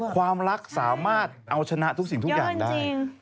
ความรักสามารถเอาชนะทุกสิ่งทุกอย่างได้